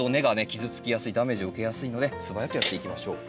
傷つきやすいダメージを受けやすいので素早くやっていきましょう。